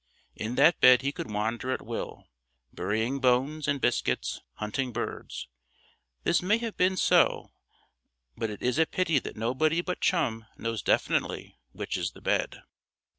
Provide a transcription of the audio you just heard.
In that bed he could wander at will, burying bones and biscuits, hunting birds. This may have been so, but it is a pity that nobody but Chum knows definitely which is the bed.